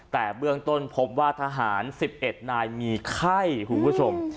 แต่เบื้องต้นพบว่าทหาร๑๑นายมีไข้คุณผู้ชม